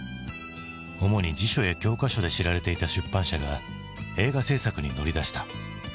主に辞書や教科書で知られていた出版社が映画製作に乗り出した。